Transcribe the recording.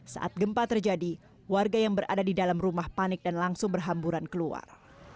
saat gempa terjadi warga yang berada di dalam rumah panik dan langsung berhamburan keluar